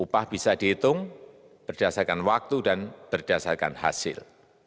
upah bisa dihitung berdasarkan waktu dan berdasarkan hasil